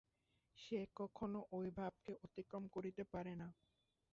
সে কখনও ঐ ভাবকে অতিক্রম করিতে পারে না।